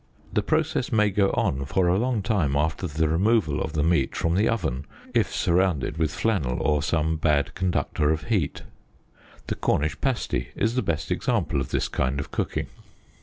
The process may go on for a long time after the re moval of the meat from the oven, if surrounded with flannel, or some 7 6 COOKSTOWNŌĆö COOLGARDIE bad conductor of heat. The Cornish pasty is the best example of this kind of cooking.